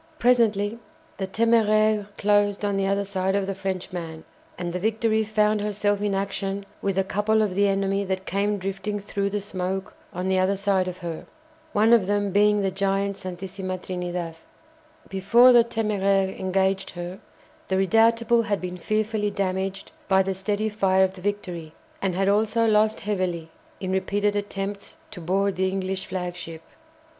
Presently the "Téméraire" closed on the other side of the Frenchman, and the "Victory" found herself in action with a couple of the enemy that came drifting through the smoke on the other side of her, one of them being the giant "Santisima Trinidad." Before the "Téméraire" engaged her, the "Redoutable" had been fearfully damaged by the steady fire of the "Victory," and had also lost heavily in repeated attempts to board the English flagship.